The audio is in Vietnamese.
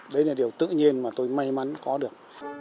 đấy là điều tự nhiên mà tôi may mắn có được